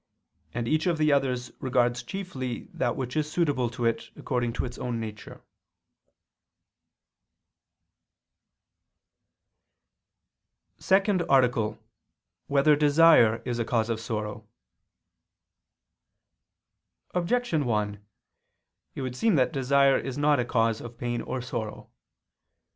And each of the others regards chiefly that which is suitable to it according to its own nature. ________________________ SECOND ARTICLE [I II, Q. 36, Art. 2] Whether Desire Is a Cause of Sorrow? Objection 1: It would seem that desire is not a cause of pain or sorrow.